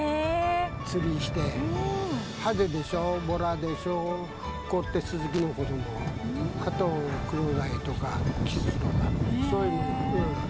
釣りして、ハゼでしょ、ボラでしょ、フッコってスズキの子ども、あと、クロダイとかキスとか、そういう。